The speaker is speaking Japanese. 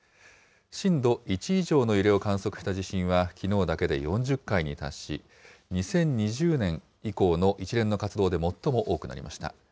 震度１以上の揺れを観測した地震はきのうだけで４０回に達し、２０２０年以降の一連の活動で最も多くなりました。